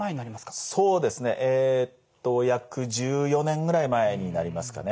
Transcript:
そうですねえっと約１４年ぐらい前になりますかね。